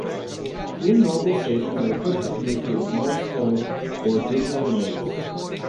Few mobile stations are equipped to communicate with Morse code or digital modes.